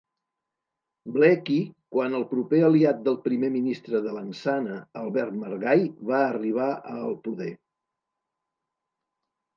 Blackie quan el proper aliat del primer ministre de Lansana, Albert Margai, va arribar a el poder.